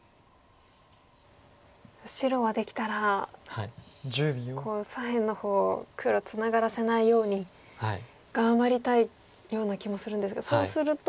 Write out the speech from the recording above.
白はできたら左辺の方黒ツナがらせないように頑張りたいような気もするんですがそうすると。